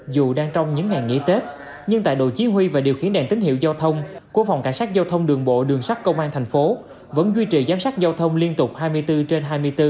dù đang trong những ngày nghỉ tết nhưng tại đội chỉ huy và điều khiển đèn tín hiệu giao thông của phòng cảnh sát giao thông đường bộ đường sắt công an thành phố vẫn duy trì giám sát giao thông liên tục hai mươi bốn trên hai mươi bốn